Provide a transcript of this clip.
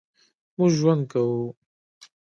مونږ ژوند کوو